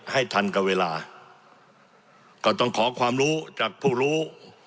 ให้ทันกับเวลาก็ต้องขอความรู้จากผู้รู้